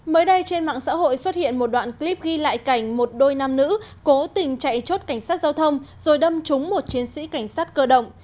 mới đây trên mạng xã hội xuất hiện một đoạn clip ghi lại cảnh một đôi nam nữ cố tình chạy chốt cảnh sát giao thông rồi đâm trúng một chiến sĩ cảnh sát cơ động